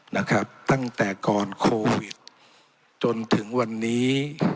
นะครับตั้งแต่ก่อนโควิดจนถึงวันนี้